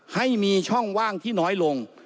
ให้มีช่องว่างที่น้อยลง